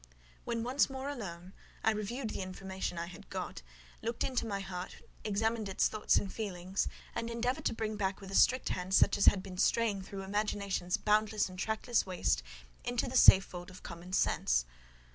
When once more alone, I reviewed the information I had got; looked into my heart, examined its thoughts and feelings, and endeavoured to bring back with a strict hand such as had been straying through imagination's boundless and trackless waste, into the safe fold of common sense.